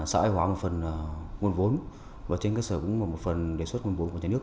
xã hóa một phần nguồn vốn và trên cơ sở cũng là một phần đề xuất nguồn vốn của nhà nước